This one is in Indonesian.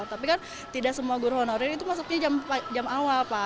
tapi kan tidak semua guru honorer itu masuknya jam awal pak